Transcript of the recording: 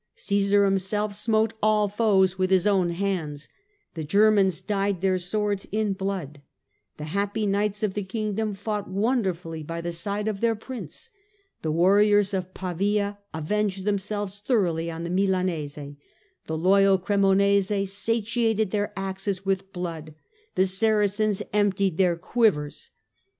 Caesar himself smote all foes with his own hands ; the Germans dyed their swords in blood ; the happy knights of the Kingdom fought wonderfully by the side of their Prince ; the warriors of Pavia avenged themselves thoroughly on the Milanese ; the loyal Cremonese satiated their axes with blood ; the Saracens emptied their quivers.